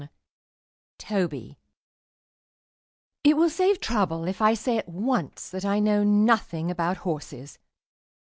_ TOBY It will save trouble if I say at once that I know nothing about horses.